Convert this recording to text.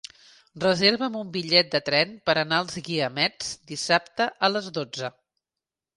Reserva'm un bitllet de tren per anar als Guiamets dissabte a les dotze.